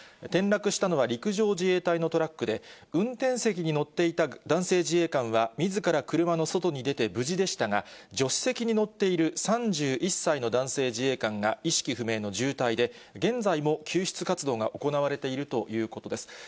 転落したのは、陸上自衛隊のトラックで、運転席に乗っていた男性自衛官は、みずから車の外に出て無事でしたが、助手席に乗っている３１歳の男性自衛官が意識不明の重体で、現在も救出活動が行われているということです。